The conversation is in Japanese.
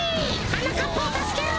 はなかっぱをたすけろ！